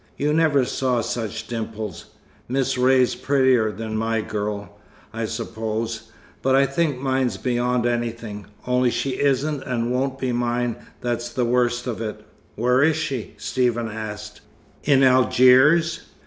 You never saw such dimples. Miss Ray's prettier than my girl, I suppose. But I think mine's beyond anything. Only she isn't and won't be mine that's the worst of it." "Where is she?" Stephen asked. "In Algiers?"